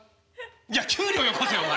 いや給料よこせよ！